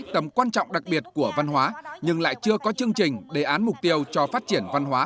tầm quan trọng đặc biệt của văn hóa nhưng lại chưa có chương trình đề án mục tiêu cho phát triển văn hóa